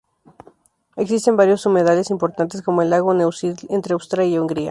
Existen varios humedales importantes, como el lago Neusiedl, entre Austria y Hungría.